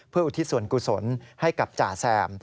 เพื่ออุทิศส่วนกุศลให้กับจ่าแซม